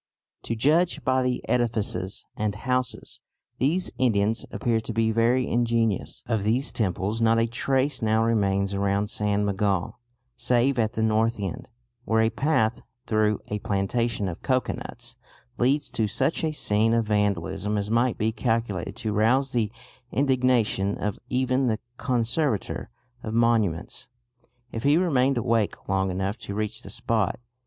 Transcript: To judge by the edifices and houses these Indians appear to be very ingenious." Of these temples not a trace now remains around San Miguel save at the north end, where a path through a plantation of cocoanuts leads to such a scene of vandalism as might be calculated to rouse the indignation of even the Conservator of Monuments, if he remained awake long enough to reach the spot.